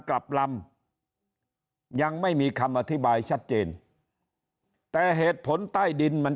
กลับลำยังไม่มีคำอธิบายชัดเจนแต่เหตุผลใต้ดินมัน